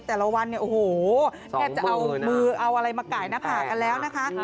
แต่ละวันเนี่ยโอ้โหแทบจะเอามือเอาอะไรมาไก่หน้าผากกันแล้วนะคะ